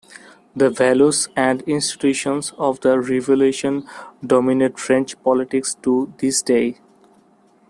The values and institutions of the Revolution dominate French politics to this day.